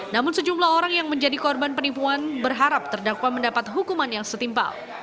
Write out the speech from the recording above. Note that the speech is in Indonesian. namun sejumlah orang yang menjadi korban penipuan berharap terdakwa mendapat hukuman yang setimpal